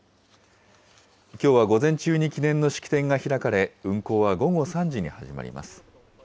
きょうは午前中に記念の式典が開かれ、運行は午後３時に始まります。